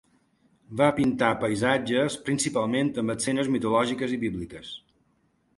Va pintar paisatges principalment amb escenes mitològiques i bíbliques.